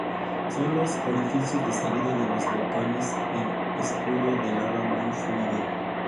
Son los orificios de salida de los volcanes en escudo de lava muy fluida.